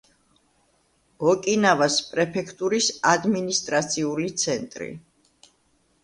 ოკინავას პრეფექტურის ადმინისტრაციული ცენტრი.